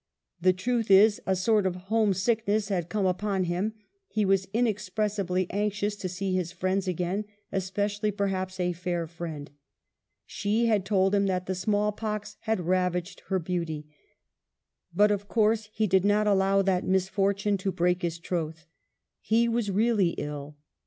The truth is, a sort of home sickness had come upon him ; he was inexpressibly anxious to see his friends again, especially perhaps a fair friend. She had told him that the small pox had ravaged her beauty, but, of course, he did not allow that misfortune to break his troth. He was really ill.